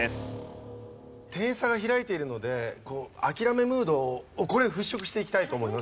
点差が開いているので諦めムードをこれ払拭していきたいと思います。